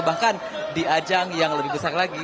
bahkan di ajang yang lebih besar lagi